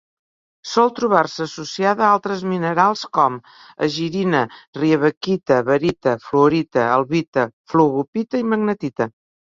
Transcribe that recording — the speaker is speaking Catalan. Sol trobar-se associada a altres minerals com: egirina, riebeckita, barita, fluorita, albita, flogopita i magnetita.